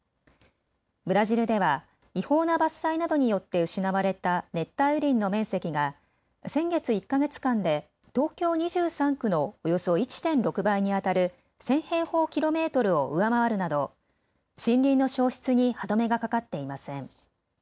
ブラジルでは違法な伐採などによって失われた熱帯雨林の面積が先月１か月間で東京２３区のおよそ１．６倍にあたる１０００平方キロメートルを上回るなど森林の消失に歯止めがかかっていません。